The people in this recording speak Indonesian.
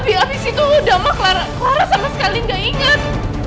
habis itu udah sama clara sama sekali gak inget